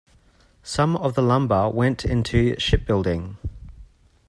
Some of the lumber went into shipbuilding.